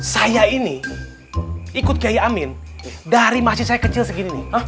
saya ini ikut kiai amin dari masjid saya kecil segini nih